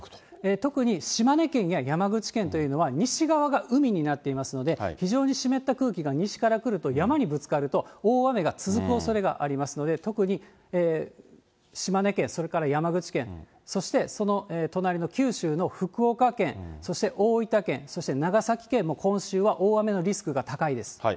特に島根県や山口県というのは西側が海になっていますので、非常に湿った空気が西から来ると、山にぶつかると、大雨が続くおそれがありますので、特に、島根県、それから山口県、そしてその隣の九州の福岡県、そして大分県、そして長崎県も今週は大雨のリスクが高いです。